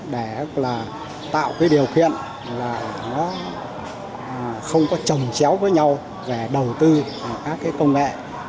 để tạo điều kiện không trầm chéo với nhau về đầu tư các công nghệ